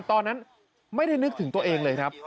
ตอนนั้นไม่ได้นึกถึงตัวเองเลยครับ